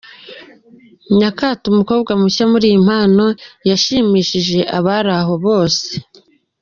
Nyakato, umukobwa mushya muri iyi mpano yashimishije abari aho bose.